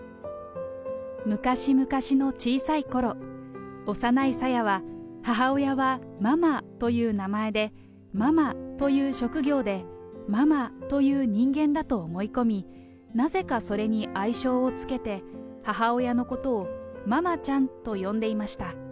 昔々の小さいころ、幼いサヤは、母親はママという名前で、ママという職業で、ママという人間だと思い込み、なぜかそれに愛称をつけて、母親のことをママちゃんと呼んでいました。